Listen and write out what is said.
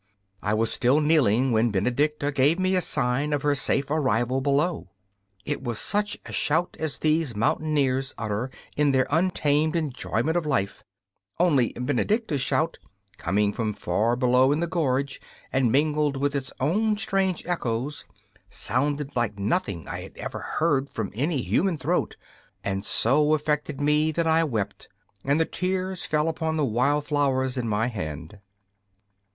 I was still kneeling when Benedicta gave me a sign of her safe arrival below. It was such a shout as these mountaineers utter in their untamed enjoyment of life only Benedicta's shout, coming from far below in the gorge, and mingled with its own strange echoes, sounded like nothing I had ever heard from any human throat, and so affected me that I wept, and the tears fell upon the wild flowers in my hand.